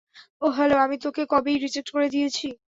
ওহ hello, আমি তোকে কবেই রিজেক্ট করে দিয়েছি।